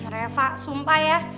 reva sumpah ya